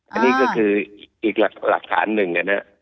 อันนี้ก็คืออีกหลักฐานหนึ่ง